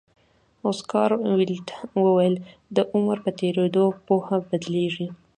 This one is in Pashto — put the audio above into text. اوسکار ویلډ وایي د عمر په تېرېدو پوهه بدلېږي.